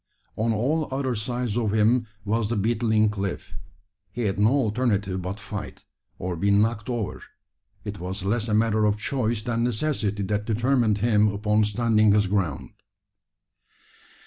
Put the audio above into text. On all other sides of him was the beetling cliff. He had no alternative but fight, or be "knocked over." It was less a matter of choice than necessity that determined him upon standing his ground.